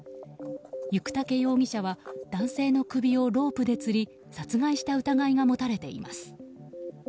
行武容疑者は男性の首をロープでつり殺害した疑いが持たれています。